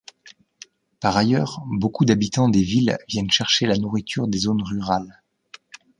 Par ailleurs, beaucoup d'habitants des villes viennent chercher la nourriture des zones rurales.